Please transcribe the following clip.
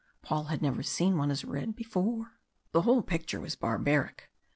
Paul had never seen one as red before. The whole picture was barbaric.